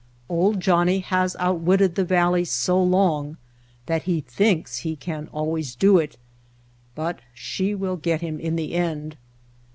"Old Johnnie" has outwitted the valley so long that he thinks he can always do it, but she will get him in the end.